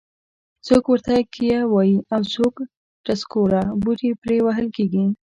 څوک ورته کیه وایي او څوک ټسکوره. بوټي پرې وهل کېږي.